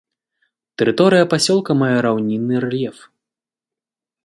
Тэрыторыя пасёлка мае раўнінны рэльеф.